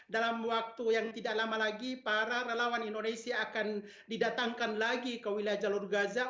dalam waktu yang tidak lama lagi para relawan indonesia akan didatangkan lagi ke wilayah jalur gaza